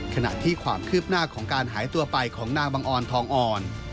ขณะที่ความคืบหน้าของการหายตัวไปของนางบังออนทองอ่อน